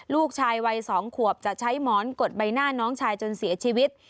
ลูกชายวัย๒ขวบจะใช้หมอนกดใบหน้าน้องชายจนเสียชีวิต